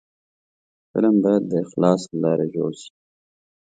فلم باید د اخلاص له لارې جوړ شي